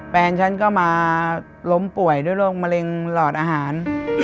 แฟนฉันก็มาล้มป่วยด้วยโรคมะเร็งหลอดอาหาร